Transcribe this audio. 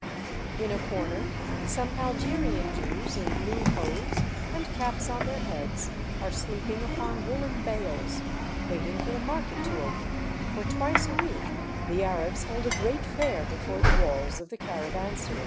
In a corner some Algerian Jews in blue hose, and caps on their heads, are sleeping upon woollen bales, waiting for the market to open ; for twice a week the Arabs hold a great fair before the walls of the caravansary.